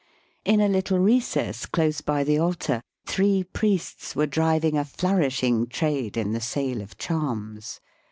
In a little recess close by the altar, three priests were driving a flourishing trade in the sale of charms.